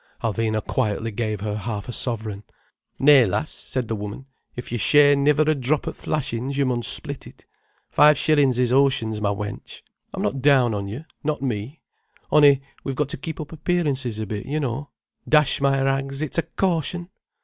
Alvina quietly gave her half a sovereign. "Nay, lass," said the woman, "if you share niver a drop o' th' lashins, you mun split it. Five shillin's is oceans, ma wench. I'm not down on you—not me. On'y we've got to keep up appearances a bit, you know. Dash my rags, it's a caution!"